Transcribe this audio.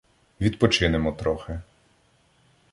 — Відпочинемо трохи.